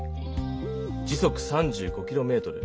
時速３５キロメートル。